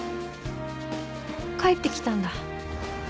帰ってきたんだ。